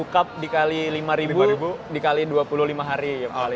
sepuluh cup dikali lima dikali dua puluh lima hari